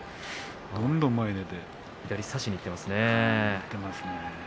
どんどん前に出て左を差しにいっていますね。